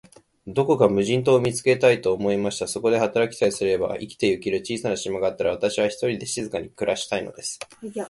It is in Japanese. どこか無人島を見つけたい、と思いました。そこで働きさえすれば、生きてゆける小さな島があったら、私は、ひとりで静かに暮したいのです。